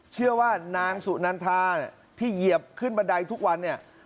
เชื่อว่านางสุนันทาที่เหยียบขึ้นบันไดทุกวันเนี่ย